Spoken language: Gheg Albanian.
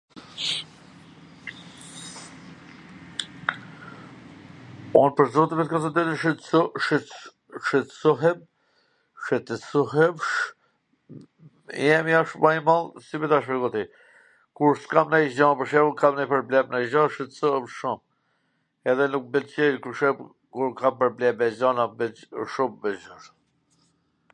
Un pwr zotin me thwn tw drejtwn shqetsohem shqetwsohem i emi asht ma i madh si me ta shpjegu ti, kur s kam nonjw gja, pwr shembull, kam nonj problem, nonjw gja, shqetsohem shum, edhe nuk m pwlqen pwr shembull kur kam probleme e gjana shum...